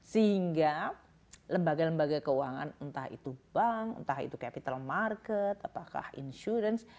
sehingga lembaga lembaga keuangan entah itu bank entah itu capital market apakah insurance